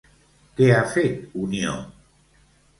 Què ha fet Unió?